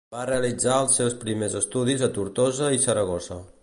Va realitzar els seus primers estudis a Tortosa i Saragossa.